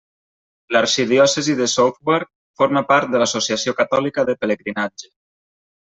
L'arxidiòcesi de Southwark forma part de l'Associació Catòlica de Pelegrinatge.